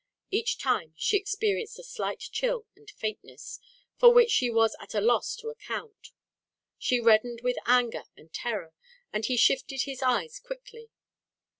Each time she experienced a slight chill and faintness, for which she was at a loss to account. She reddened with anger and terror, and he shifted his eyes quickly.